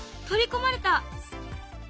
取り込まれた。